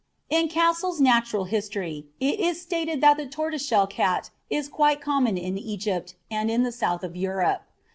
In Cassell's "Natural History," it is stated that the tortoiseshell cat is quite common in Egypt and in the south of Europe.